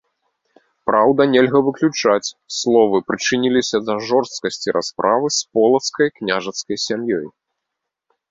Праўда, нельга выключаць, словы прычыніліся да жорсткасці расправы з полацкай княжацкай сям'ёй.